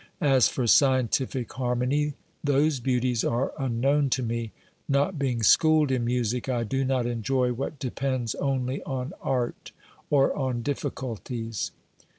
As for scientific harmony, those beauties are unknown to me ; not being schooled in music, I do not enjoy what depends only on art or on difficulties.